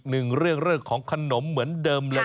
หนึ่งเรื่องของขนมเหมือนเดิมเลย